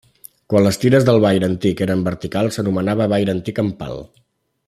Quan les tires del vaire antic eren verticals s'anomenava vaire antic en pal.